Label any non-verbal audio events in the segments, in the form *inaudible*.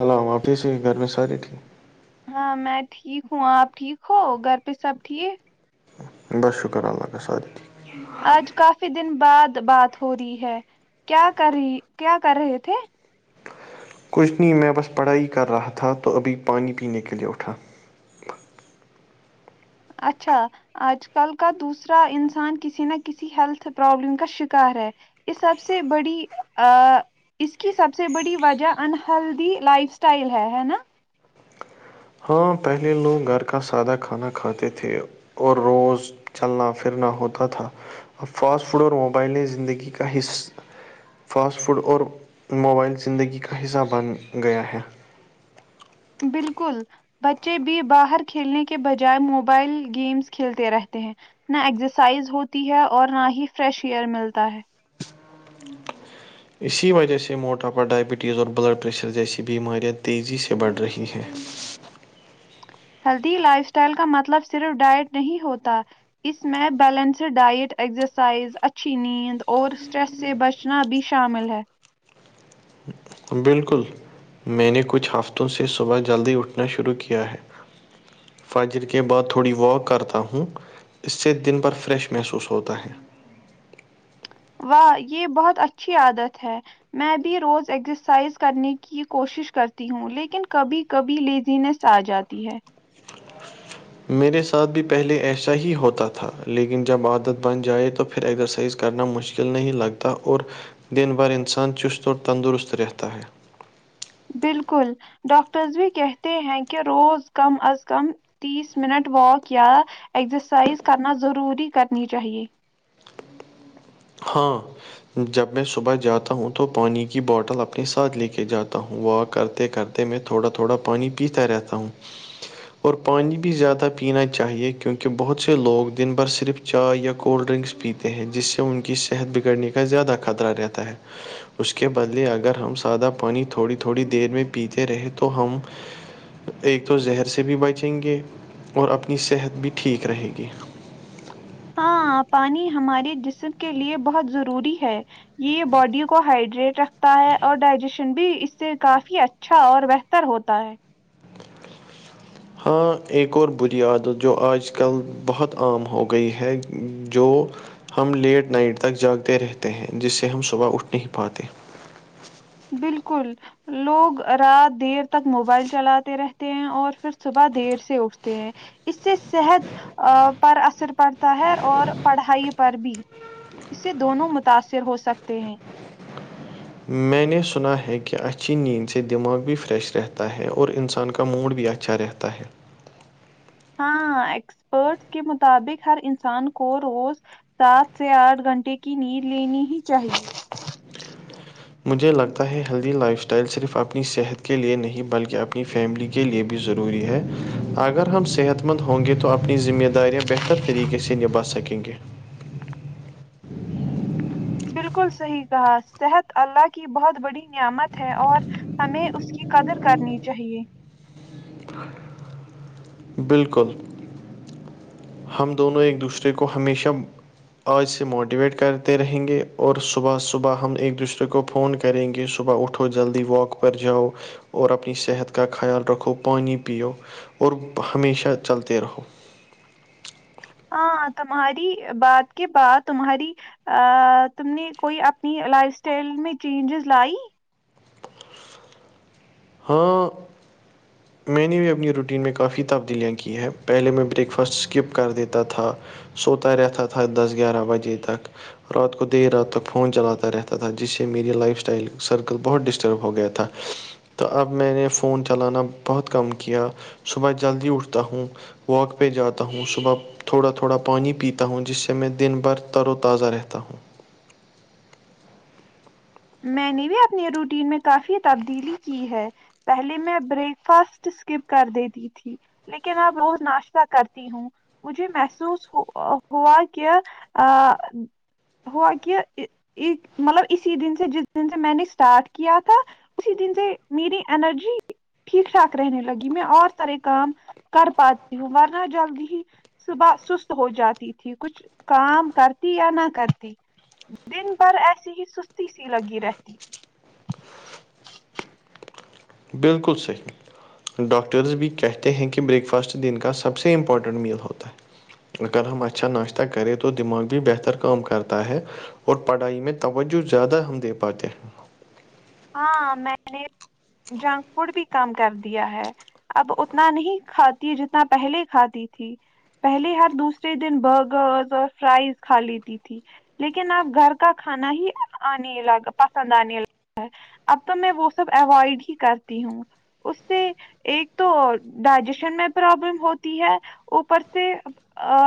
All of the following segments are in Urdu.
ہل آپ ہی سے گھر میں سارے ٹھیک *unintelligible* ہاں میں ٹھیک ہوں آپ ٹھیک ہو گھر پہ سب ٹھیک بس شکر اللہ کا سات ٹھیک آج کافی دن بعد بات ہو رہی ہے کیا کر رہی کیا کر رہے تھے کچھ نہیں میں بس پڑھائی کر رہا تھا تو ابھی پانی پینے کے لیے اٹھا اچھا آج کل کا دوسرا انسان کسی نہ کسی ہیلتھ پرابلم کا شکار ہے اس سب سے بڑی آ *unintelligible* اس کی سب سے بڑی وجہ ان ہیلدی لائف اسٹائل ہے ہے نا ہاں پہلے لوگ گھر کا سادہ کھانا کھاتے تھے اور روز چلنا پھرنا ہوتا تھا اب فاسٹ فوڈ اور موبائلیں زندگی کا حصہ فاسٹ فوڈ اور موبائل زندگی کا حصہ بن گیا ہے بالکل بچے بھی باہر کھیلنے کے بجائے موبائل گیمس کھیلتے رہتے ہیں نہ ایکزرسائز ہوتی ہے اور نہ ہی فریش ایئر ملتا ہے اسی وجہ سے موٹاپا ڈائبٹیز اور بلڈ پریشر جیسی بیماریاں تیزی سے بڑھ رہی ہیں ہیلدی لائف اسٹائل کا مطلب صرف ڈائٹ نہیں ہوتا اس میں بیلنسڈ ڈائٹ ایکزرسائز اچھی نیند اور اسٹریس سے بچنا بھی شامل ہے بالکل میں نے کچھ ہفتوں سے صبح جلدی اٹھنا شروع کیا ہے فاجر کے بعد تھوڑی واک کرتا ہوں اس سے دن بھر فریش محسوس ہوتا ہے واہ یہ بہت اچھی عادت ہے میں بھی روز ایکسرسائز کرنے کی کوشش کرتی ہوں لیکن کبھی کبھی لیزنیس آ جاتی ہے *unintelligible* میرے ساتھ بھی پہلے ایسا ہی ہوتا تھا لیکن جب عادت بن جائے تو پھر ایزرسائز کرنا مشکل نہیں لگتا اور دن بھر انسان چست اور تندرست رہتا ہے بالکل ڈاکٹرز بھی کہتے ہیں کہ روز کم از کم تیس منٹ واک یا ایکسرسائز کرنا ضروری کرنی چاہیے ہاں *unintelligible* جب میں صبح جاتا ہوں تو پانی کی بوٹل اپنے ساتھ لے کے جاتا ہوں و کرتے کرتے تو میں تھوڑا تھوڑا پانی پیتا رہتا ہوں اور پانی بھی زیادہ پینا چاہیے کیونکہ بہت سے لوگ دن بھر صرف چائے یا کولڈ ڈرنکس پیتے ہیں جس سے ان کی صحت بگڑنے کا زیادہ خطرہ رہتا ہے اس کے بدلے اگر ہم سادہ پانی تھوڑی تھوڑی دیر میں پیتے رہے تو ہم ایک تو زہر سے بھی بچیں گے اور اپنی صحت بھی ٹھیک رہے گی ہاں پانی ہمارے جسم کے لیے بہت ضروری ہے یہ باڈی کو ہائڈریٹ رکھتا ہے اور ڈائجیشن بھی اس سے کافی اچھا اچھا اور بہتر ہوتا ہے ہاں ایک اور بری عادت جو آج کل بہت عام ہو گئی ہے جو ہم لیٹ نائٹ تک جاگتے رہتے ہیں جس سے ہم صبح اٹھ نہیں پاتے بالکل لوگ رات دیر تک موبائل چلاتے رہتے ہیں اور پھر صبح دیر سے اٹھتے ہیں اس سے صحت پر اثر پڑتا ہے اور پڑھائی پر بھی اس سے دونوں متاثر ہو سکتے ہیں میں نے سنا ہے کہ اچھی نیند سے دماغ بھی فریش رہتا ہے اور انسان کا موڈ بھی اچھا چار رہتح ہاں ایکسپرٹس کے مطابق ہر انسان کو روز سات سے آٹھ گھنٹے کی نیند لینی ہی چاہیے مجھے لگتا ہے ہیلدی لائفٹائل صرف اپنی صحت کے لیے نہیں بلکہ اپنی فیملی کے لیے بھی ضروری ہے اگر ہم صحت مند ہوں گے تو اپنی ذمہ داریاں بہتر طریقے سے نبھا سکیں گے بالکل صحیح کہا صحت اللہ کی بہت بڑی نعمت ہے اور ہمیں اس کی قدر کرنی چاہیے بالکل ہم دونوں ایک دوسرے کو ہمیشہ آج سے موٹیویٹ کرتے رہیں گے اور صبح صبح ہم ایک دوسرے کو فون کریں گے صبح اٹھو جلدی واک پر جاؤ اور اپنی صحت کا خیال رکھو پانی پو اور ہمیشہ چلتے رہو ہاں تمہاری بات کے بعد تمہاری ا تم نے کوئی اپنی لائف اسٹائل میں چینجز لائی ہاں میں نے بھی اپنی روٹین میں کافی تبدیلیاں کی ہے پہلے میں بریک فاسٹ اسکپ کر دیتا تھا سوتا رہتا تھا دس گیارہ بجے تک رات کو دیر رات تک فون چلاتا رہتا تھا جس سے میری لائف اسٹائل سرکل بہت ڈسٹرب ہو گیا تھا تا تو اب میں نے فون چلانا بہت کم کیا صبح جلدی اٹھتا ہوں واک پہ جاتا ہوں صبح تھوڑا تھوڑا پانی پیتا ہوں جس سے میں دن بھر تر و تازہ رہتا ہوں میں نے بھی اپنی روٹین میں کافی تبدیلی کی ہے پہلے میں بریک فاسٹ اسکپ کر دیتی تھی لیکن اب رت ناشتہ کرتی ہوں مجھے محسوس ہوا کہ ہو کہ مطلب ای دن جس دن سے میں نے اسٹارٹ کیا تھا اسی دن سے میری انرجی ٹھیک ٹھاک رہنے لگی میں اور سارے کام کر پاتی ہوں ورنہ جلدی ہی صبح سست ہو جاتی تھی کچھ کام کرتی یا نہ کرتی دن بھر ایسی ہی سستی سی لگی رہتی بالکل صحیح ڈاکٹرز بھی کہتے ہیں کہ بریک فاسٹ دن کا سب سے امپورٹنٹ میل ہوتا ہے اگر ہم اچھا ناشتہ کریں تو دماغ بھی بہتر کام کرتا ہے اور پڑھائی میں توجہ زیادہ ہم دے پاتے ہیں ہاں میں نے جنک فوڈ بھی کام کر دیا ہے اب اتنا نہیں کھاتی جتنا پہلے کھاتی تھی پہلے ہر دوسرے دن برگرز اور فرائز کھا لیتی تھی لیکن آپ گھر کا کھانا ہی آنے لگا پسند آنے لگ اب تو میں وہ سب اوائڈ ہی کرتی ہوں اس سے ایک تو ڈائجیشن میں پرابلم ہوتی ہے اوپر سے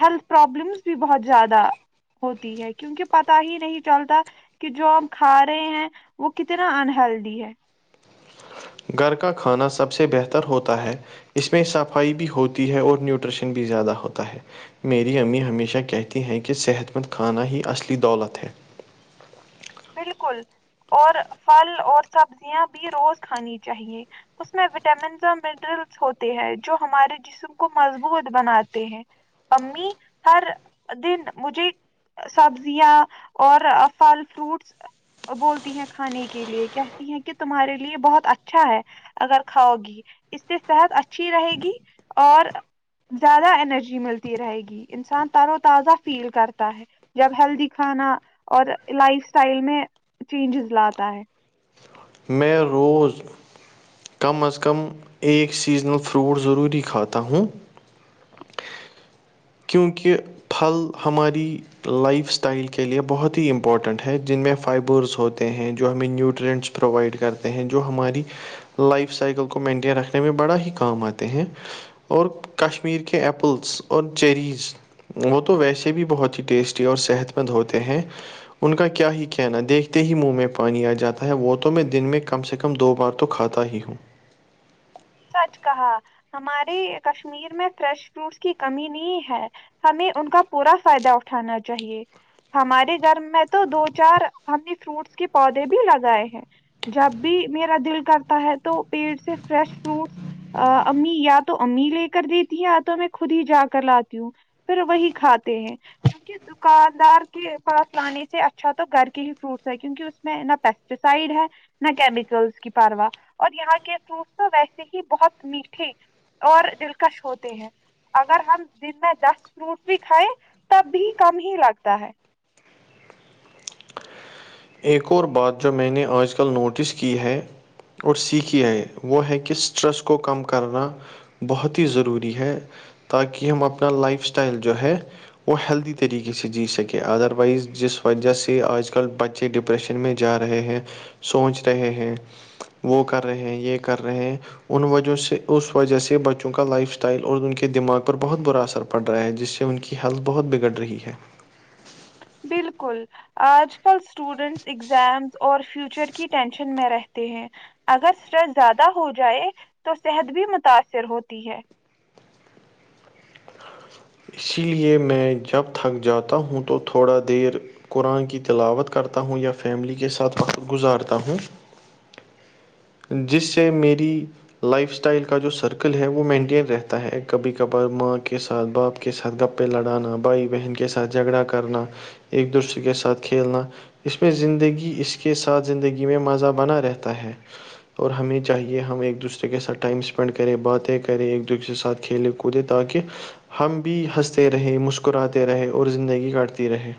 ہیلتھ پروابلمس بھی بہت زیادہ ہوتی ہے کیونکہ پتا ہی نہیں چلتا کہ جو ہم کھا رہے ہیں وہ کتنا انہلدی ہے گھر کا کھانا سب سے بہتر ہوتا ہے اس میں صفائی بھی ہوتی ہے اور نیوٹریشن بھی زیادہ ہوتا ہے میری امی ہمیشہ کہتی ہیں کہ صحت مند کھانا ہی اصلی دولت ہے بالکل اور پھل اور سبزیاں بھی روز کھانی چاہیے اس میں وٹامنز منرلس ہوتے ہیں جو ہمارے جس کو مضبوط بناتے ہیں امی ہر دن مجھے سبزیاں اور پھل فروٹ بولتی ہیں کھانے کے لیے کہتی ہیں کہ تمہارے لیے بہت اچھا ہے اگر کھاؤ گی اس سے صحت اچھی رہے گی اور زیادہ انینرجی ملتی رہے گی انسان تر و تازہ فیل کرتا ہے جب ہیلدی کھانا اور لائف اسٹائل میں چینجز لاتا ہے میں روز کم از کم ایک سیزنل فروٹ ضروری کھاتا ہوں کیونکہ پھل ہماری لائف اسٹائل کے لیے بہت ہی امپورٹنٹ ہے جن میں فائبرس ہوتے ہیں جو ہمیں نیوٹرینٹس پرووائڈ کرتے ہیں جو ہماری لائف سائیکل کو مینٹین رکھنے میں بڑا ہی کام آتے ہیں اور کشمیر کے ایپلس اور چیریز وہ تو ویسے بھی بہت ہی ٹیسٹی اور صحت مند ہوتے ہیں ان کا کیا ہی کہنا دیکھتے ہی منہ میں پانی آ جاتا ہے وہ تو میں دن میں کم سے کم کم دو بار تو کھاتا ہی ہوں سچ کہا ہماری کشمیر پیر میں فریش فروٹس کی کمی نہیں ہے ہمیں ان کا پورا فائدہ اٹھانا چاہیے ہمارے گھر میں تو دو چار ہم نے فروٹس کے پودے بھی لگائے ہیں جب بھی میرا دل کرتا ہے تو پیڑ سے فریش فروٹس امی یا تو امی لے کر دیتی ہیں یا تو میں خود ہی جا کر لاتی ہوں پھر وہی کھاتے ہیں دکاندار کے پاس لانے سے اچھا تو گھر کے ہی فروٹس ہے کیونک میں نہ پیسٹیسائڈ ہے نہ کیمیکلس کی پارواہ اور یہاں کے فروٹ تو ویسے ہی بہت میٹھے اور دلکش ہوتے ہیں اگر ہم دن میں دس فروٹ بھی کھائیں تب بھی کم ہی لگتا ہے ایک اور بات جو میں نے آج کل نوٹس کی ہے اور سیکھیھی آئے وہ ہے کہ اسٹریس کو کم کرنا بہت ہی ضروری ہے تاکہ ہم اپنا لائف اسٹائل جو ہے وہ ہیلدی طریقے سے جی سکے ادروائز جس وجہ سے آج کل بچ ڈپریشن میں جا رہے ہیں سوچ رہے ہیں وہ کر رہے ہیں یہ کر رہے ہیں ان وجہ سے اس وجہ سے بچوں کا لائف اسٹائل اور ان کے دماغ پر بہت برا ار پڑ پڑ رہا ہے جس سے ان کی ہیلتھ بہت بگڑ رہی ہے بالکل آج کل اسٹوڈینٹس اگزامس اور فیوچر کی ٹینشن میں رہتے ہیں اگر اسٹریس زیادہ ہو جائے تو صحت بھی متاثر ہوتی ہے اسی لیے میں جب تھک جاتا ہوں تو تھوڑا دیر قرآن کی تلاوت کرتا ہوں یا فیملی کے ساتھ وقت گزارتا ہوں جس سے میری لائف اسٹائل کا جو سرکل ہے وہ مینٹین رہتا ہے کبھی کبھار ماں کے ساتھ باپ کے ساتھ گپے لڑانا بھائی بہن کے ساتھ جھگڑا کرنا ایک دوسرے کے ساتھ کھیلنا اس میں زندگی اس کے ساتھ زندگی میں مزہ بنا رہتا ہے اور ہمیں چاہیے ہم ایک دوسرے کے ساتھ ٹائم اسپینڈ کریں باتیں کریں ایک دوسرے کے ساتھ کھیلے کودے تاکہ ہم بھی ہنستے رہے مسکراتے رہے اور زندگی کاٹتی رہے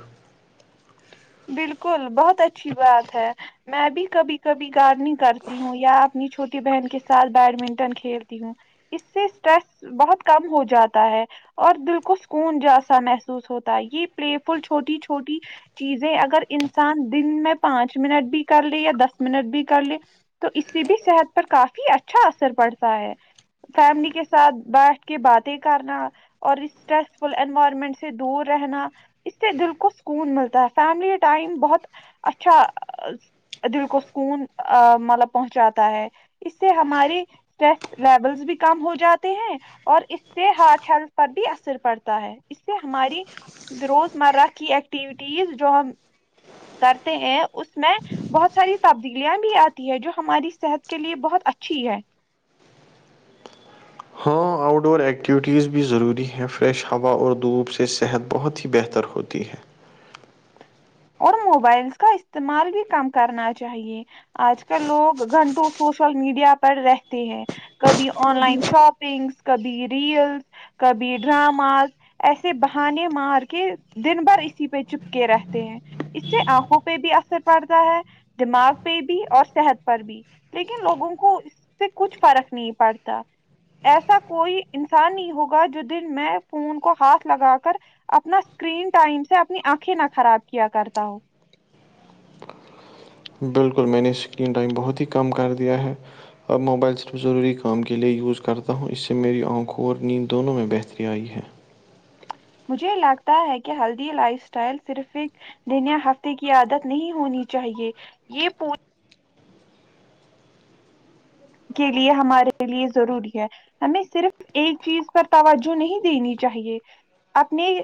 بالکل بہت اچھی بات ہے میں بھی کبھی کبھی گارڈنگ کر ہوں یا اپنی چوٹی بہن کے ساتھ بیڈمنٹن کھیلتی ہوں اس سے اسٹریس بہت کم ہو جاتا ہے اور دل کو سکون جاسا محسوس ہوتا ہے یہ پلے فل چھوٹی چھوٹی چیز اگر انسان دن میں پانچ منٹ بھی کر لے یا دس منٹ بھی کر لے تو اس سے بھی صحت پر کافی اچھا اثر پڑتا ہے فیملی کے ساتھ بیٹھ کے باتیں کرنا اور اس اسٹریس فل انوائرمنٹ سے دور رہنا اس سے دل کو سکون ملتا ہے فیملی ٹائم بہت اچھا دل کو سکون مطلب پہنچاتا ہے اس سے ہماری اسٹریس لیولس بھی کم ہو جاتے ہیں اور اس سے ہارٹ ہیلتھ پر بھی اثر پڑتا ہے اس سے ہماری روزمرہ کی ایکٹیویٹیز جو ہم کرتے ہیں اس میں بہت ساری تبدیلیاں بھی آتی ہے جو ہماری صحت کے لیے بہت اچھی ہے ہاں آؤٹ ڈور ایکٹیویٹیز بھی ضروری ہیں فریش ہوا اور دھوپ سے صحت بہت ہی بہتر ہوتی ہے اور موبائلس کا استعمال بھی کم کرنا چاہیے آج کل لوگ گھنٹوں سوشل میڈیا پر رہتے ہیں کبھی آن بھی لائن شاپ تھنگس کبھی ریلس کبھی ڈراماز ایسے بہانے مار کے دن بھر اسی پہ چپک رہتے ہیں اس سے آنکھوں پہ بھی اثر پڑتا ہے دماغ پہ بھی اور صحت پر بھی لیکن لوگوں کو اس سے کچھ فرق نہیں پڑتا ایسا کوئی انسان نہیں ہوگا جو دن میں فون کو ہاتھ لگا کر اپنا اسکرین ٹائم سے اپنی آنکھیں نہ خراب کیا کرتا ہوں بالکل میں نے اسکرین ٹائم بہت ہی کم کر دیا ہے اب موبائل صرف ضروری کام کے لیے یوز کرتا ہوں اس سے میری آنکھوں اور نیند دونوں میں بہتری آئی ہے مجھے لگتا ہے کہ ہلدی لائف اسٹائل صرف ایک دنیا ہفتے کی عادت نہیں ہونی چاہیے یہ پ کے لیے ہمارے لیے ضروری ہے ہمیں صرف ایک چیز پر توجہ نہیں دینی چاہیے اپنی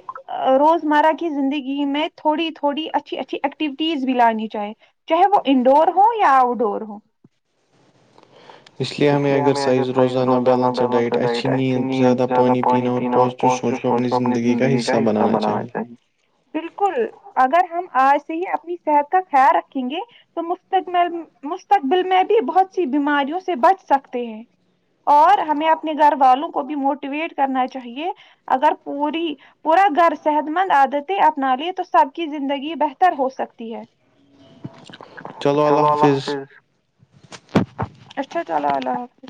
روزمرہ کی زندگی میں تھوڑی تھوڑی اچھی اچھی ایکٹیوٹیز بھی لانی چاہیے چاہے وہ انڈور ہوں یا آؤٹ ڈور ہووں ا اس لیے ہمیں ایگزرسائز روزانا بیلینس ڈائٹسھی ن زیادہ پانی پینا اور پوزٹو سوچ کو اپنی زندگی کا حصہ بنانا چاہیے بالکل اگر ہم آج سے ہی اپنی صحت کا خیال رکھیں گے تو مستقبل مستقبل میں بھی بہت سی بیماریوں سے بچ سکتے ہیں اور ہمیں اپنے گھر والوں کو بھی موٹیویٹ کرنا چاہیے اگر پوری پورا گھر صحت مند عادتیں اپنا لیے تو سب کی زندگی بہتر ہو سکتی ہے چلو اللہ حافظ اچھا چلو اللہ حافظ